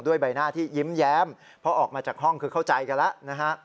ใบหน้าที่ยิ้มแย้มเพราะออกมาจากห้องคือเข้าใจกันแล้วนะฮะ